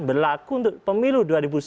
berlaku untuk pemilu dua ribu sembilan belas